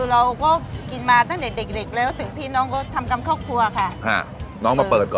คนที่มาทานอย่างเงี้ยควรจะมาทานแบบคนเดียวนะครับ